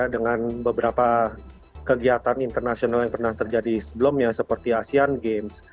dengan beberapa kegiatan internasional yang pernah terjadi sebelumnya seperti asean games